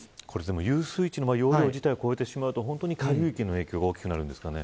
遊水地の容量自体を超えてしまうと下流域の影響が大きくなるんですかね。